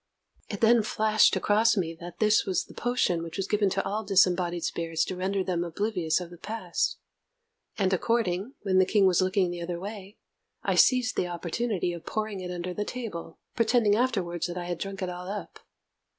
It then flashed across me that this was the potion which was given to all disembodied spirits to render them oblivious of the past: and, accordingly, when the King was looking the other way, I seized the opportunity of pouring it under the table, pretending afterwards that I had drunk it all up.